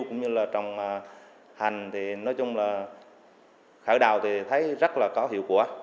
cũng như là trồng hành thì nói chung là khởi đào thì thấy rất là có hiệu quả